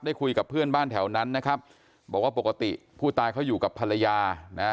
คุยกับเพื่อนบ้านแถวนั้นนะครับบอกว่าปกติผู้ตายเขาอยู่กับภรรยานะ